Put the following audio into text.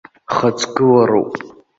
Хаҵгылароуп.